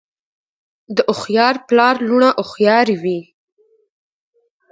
د هوښیار پلار لوڼه هوښیارې وي.